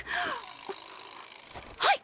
はい！